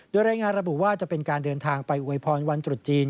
โดยรายงานระบุว่าจะเป็นการเดินทางไปอวยพรวันตรุษจีน